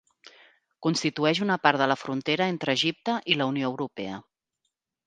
Constitueix una part de la frontera entre Egipte i la Unió Europea.